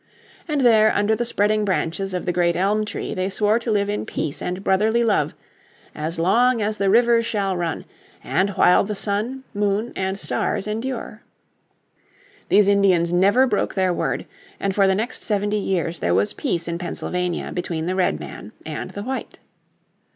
And there under the spreading branches of the great elm tree they swore to live in peace and brotherly love "as long as the rivers shall run, and while the sun, moon and stars endure." These Indians never broke their word and for the next seventy years there was peace in Pennsylvania between the Redman and the White.